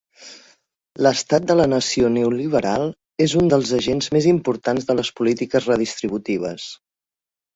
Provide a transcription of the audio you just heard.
L'estat de la nació neoliberal és un dels agents més importants de les polítiques redistributives.